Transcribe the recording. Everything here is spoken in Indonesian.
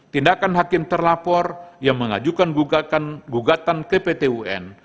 tindakan hakim terlapor yang mengajukan gugatan ke pt un